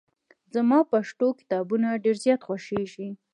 زما پښتو کتابونه ډېر زیات خوښېږي.